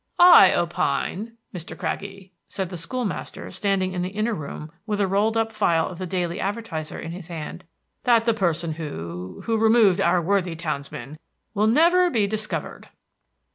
"I opine, Mr. Craggie," said the school master, standing in the inner room with a rolled up file of the Daily Advertiser in his hand, "that the person who who removed our worthy townsman will never be discovered."